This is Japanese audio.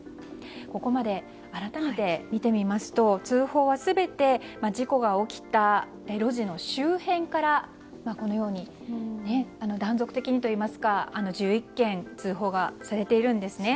ここまで改めて見てみますと通報は全て事故が起きた路地の周辺からこのように断続的に１１件、通報がされています。